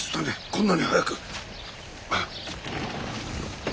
こんなに早く。